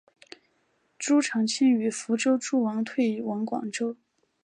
朱常清与福州诸王退往广州。